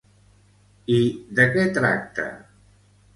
I de què tracta?